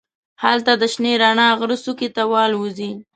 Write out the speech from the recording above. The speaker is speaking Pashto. هلته د شنې رڼا غره څوکې ته والوزي.